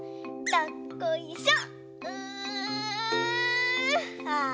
どっこいしょ。